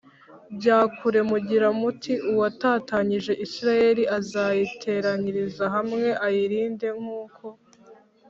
Bya kure mugira muti uwatatanyije isirayeli azayiteranyiriza hamwe ayirinde nk uko